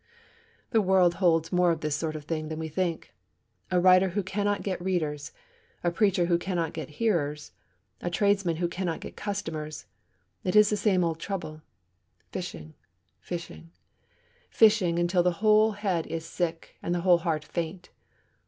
The world holds more of this sort of thing than we think. A writer who cannot get readers, a preacher who cannot get hearers, a tradesman who cannot get customers it is the same old trouble. Fishing, fishing, fishing, until the whole head is sick and the whole heart faint.